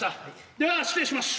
では失礼しましゅ。